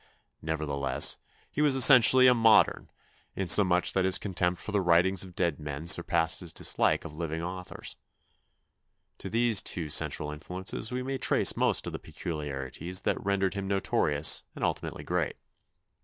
Nevertheless, he was essen tially a modern, insomuch that his contempt for the writings of dead men surpassed his dislike of living authors. To these two central influences we may trace most of the 228 THE BIOGRAPHY OF A SUPEEMAN peculiarities that rendered him notorious and ultimately great.